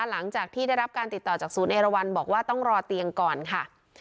หลังจากที่ได้รับการติดต่อจากศูนย์เอราวันบอกว่าต้องรอเตียงก่อนค่ะ